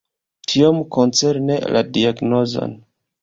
Tiom koncerne la diagnozon.